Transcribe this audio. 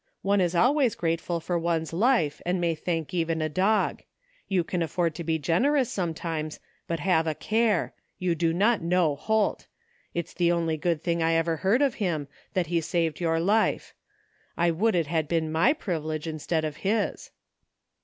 One is always grateful for one's life, and may thank even a dog. You can afford to be generous, sometimes, but have a care! You do not know Holt! It's the only good thing I ever heard of him, that he saved your life. I would it had been my privilege instead of his."